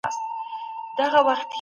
تاسو د دې وطن هيله يئ.